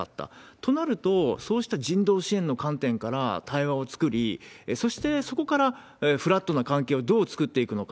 となると、そうした人道支援の観点から対話を作り、そしてそこからフラットな関係をどう作っていくのか。